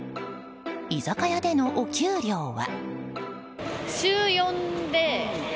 居酒屋でのお給料は。